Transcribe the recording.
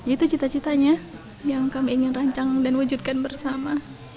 itu cita citanya yang kami ingin rancang dan wujudkan bersama